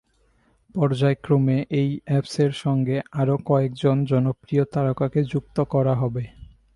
পর্যায়ক্রমে এই অ্যাপসের সঙ্গে আরও কয়েকজন জনপ্রিয় তারকাকে যুক্ত করা হবে।